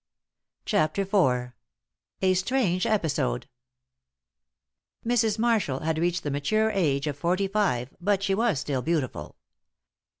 CHAPTER IV. A STRANGE EPISODE. Mrs. Marshall had reached the mature age of forty five, but she was still beautiful.